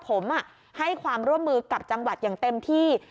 ผมให้ความร่วมมือกับจังหวัดอย่างเต็มที่